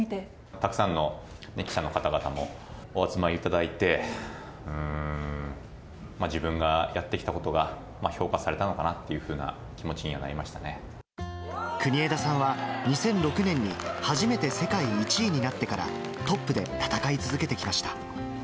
たくさんの記者の方々もお集まりいただいて、うーん、自分がやってきたことが評価されたのかなっていうふうな気持ちに国枝さんは、２００６年に初めて世界１位になってから、トップで戦い続けてきました。